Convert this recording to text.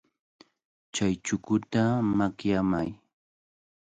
Chay chukuta makyamay.